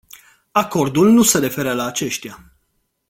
Acordul nu se referă la aceștia.